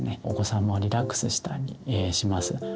お子さんもリラックスしたりします。